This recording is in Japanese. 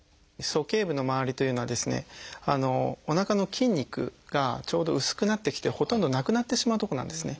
鼠径部のまわりというのはですねおなかの筋肉がちょうど薄くなってきてほとんどなくなってしまうとこなんですね。